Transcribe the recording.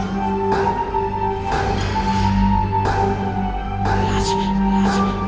jangan jangan jangan